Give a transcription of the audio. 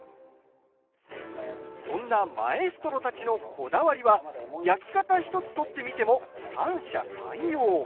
そんなマエストロたちのこだわりは焼き方１つとってみても三者三様。